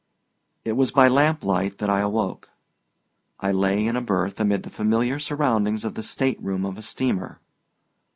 It was by lamplight that I awoke. I lay in a berth amid the familiar surroundings of the stateroom of a steamer.